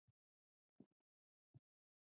آمو سیند د افغانستان د زرغونتیا نښه ده.